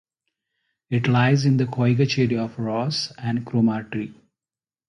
It lies in the Coigach area of Ross and Cromarty.